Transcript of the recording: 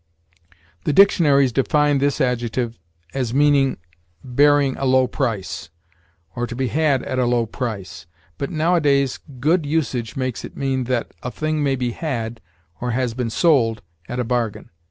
The dictionaries define this adjective as meaning, bearing a low price, or to be had at a low price; but nowadays good usage makes it mean that a thing may be had, or has been sold, at a bargain.